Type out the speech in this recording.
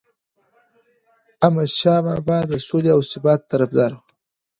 احمدشاه بابا د سولې او ثبات طرفدار و.